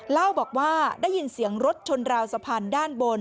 เล่าบอกว่าได้ยินเสียงรถชนราวสะพานด้านบน